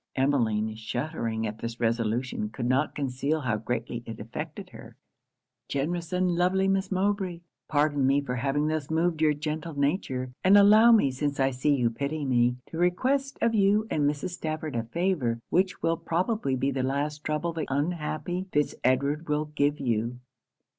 Emmeline, shuddering at this resolution, could not conceal how greatly it affected her. 'Generous and lovely Miss Mowbray! pardon me for having thus moved your gentle nature; and allow me, since I see you pity me, to request of you and Mrs. Stafford a favour which will probably be the last trouble the unhappy Fitz Edward will give you.